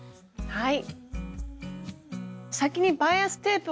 はい。